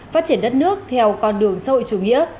phát triển đất nước theo con đường xã hội chủ nghĩa